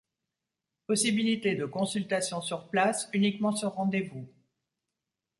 Possibilité de consultation sur place, uniquement sur rendez-vous.